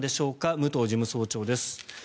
武藤事務総長です。